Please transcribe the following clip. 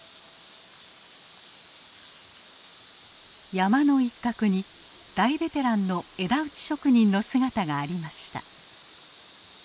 山の一角に大ベテランの枝打ち職人の姿がありました。